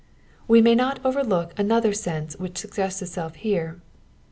We may not overlook another sense which suggests itself here.